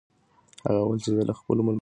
هغه وویل چې زه له خپلو ملګرو سره خوشحاله یم.